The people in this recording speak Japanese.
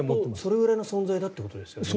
それぐらいの存在だということですね。